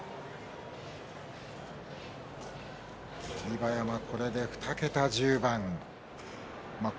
馬山これで２桁１０番。